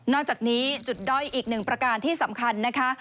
จากนี้จุดด้อยอีกหนึ่งประการที่สำคัญนะคะ